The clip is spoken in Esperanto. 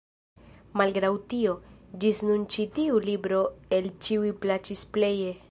Malgraŭ tio, ĝis nun ĉi tiu libro el ĉiuj plaĉis pleje.